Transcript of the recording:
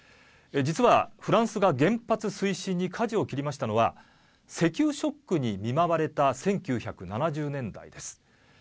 実はフランスが原発推進にかじを切りましたのは石油ショックに見舞われた１９７０年代です。